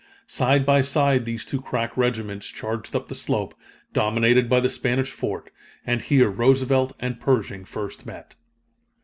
Side by side these two crack regiments charged up the slope, dominated by the Spanish fort, and here Roosevelt and Pershing first met.